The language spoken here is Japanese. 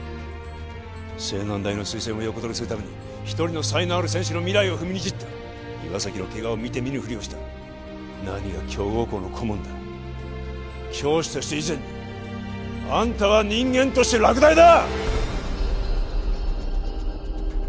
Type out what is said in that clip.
青南大の推薦を横どりするために１人の才能ある選手の未来を踏みにじった岩崎のケガを見て見ぬふりをした何が強豪校の顧問だ教師として以前にあんたは人間として落第だ！